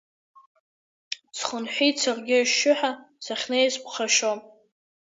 Схынҳәит саргьы ашьшьыҳәа, сахьнеиз ԥхашьо.